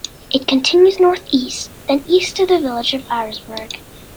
It continues northeast, then east to the village of Irasburg.